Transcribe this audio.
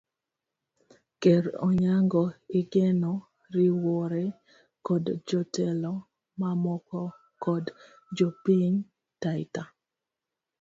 Ker Onyango igeno riwore kod jotelo mamoko kod jopiny taita